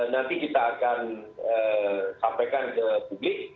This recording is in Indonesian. nanti kita akan sampaikan ke publik